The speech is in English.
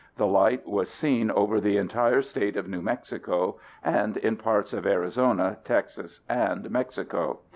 The light was seen over the entire state of New Mexico and in parts of Arizona, Texas, and Mexico.